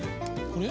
これ？